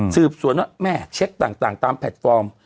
สืบสวนว่าแม่เช็คต่างตามแพลตฟอร์ม